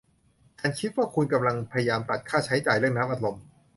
ฉันคิดว่าคุณกำลังพยายามตัดค่าใช้จ่ายเรื่องน้ำอัดลม